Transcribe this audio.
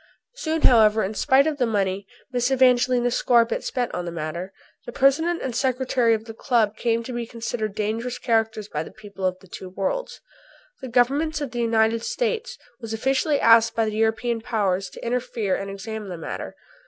Soon, however, in spite of the money Mrs. Evangelina Scorbitt spent on the matter, the President and Secretary of the Club came to be considered dangerous characters by the people of the two worlds. The Government of the United States was asked officially by the European powers to interfere and examine the matter.